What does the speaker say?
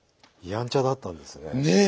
やんちゃだったんですね。